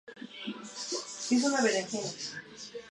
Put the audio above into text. La idea y dirección general, es de Flavio Mendoza.